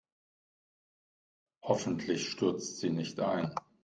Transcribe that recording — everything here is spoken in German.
Hoffentlich stürzt sie nicht ein.